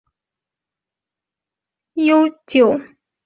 伦大国际课程在香港的历史悠久。